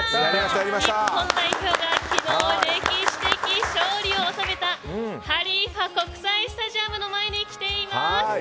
日本代表が昨日、歴史的勝利を収めたハリーファ国際スタジアムの前に来ています。